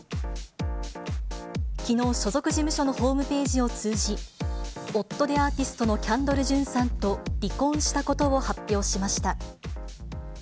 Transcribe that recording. きのう、所属事務所のホームページを通じ、夫でアーティストのキャンドル・ジュンさんと離婚したことを発表しました。